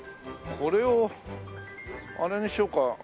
これをあれにしようか。